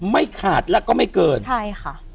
ไม่ขาดแล้วก็ไม่เกินใช่ค่ะ